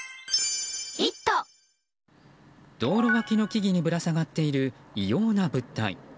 道路脇の木々にぶら下がっている異様な物体。